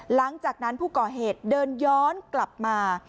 หลังจากนั้นผู้ก่อเหตุเดินย้อนกลับมา